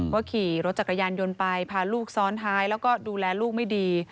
ขี่รถจักรยานยนต์ไปพาลูกซ้อนท้ายแล้วก็ดูแลลูกไม่ดี